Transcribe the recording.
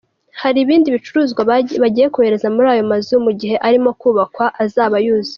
Hari ibindi bicuruzwa bagiye kohereza muri ayo mazu mu gihe arimo kubakwa azaba yuzuye.